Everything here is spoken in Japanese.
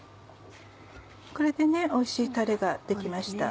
これでおいしいたれが出来ました。